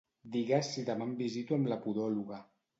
Digues si demà em visito amb la podòloga.